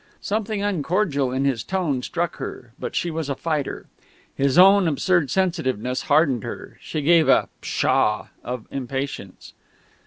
Something uncordial in his tone struck her; but she was a fighter. His own absurd sensitiveness hardened her. She gave a "Pshaw!" of impatience.